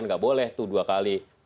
nggak boleh tuh dua kali